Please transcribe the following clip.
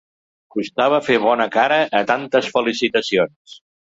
Costava fer bona cara a tantes felicitacions.